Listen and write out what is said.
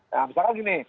nah misalkan gini